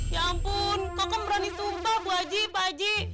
ya ampun kokom berani sumpah bu aji pak aji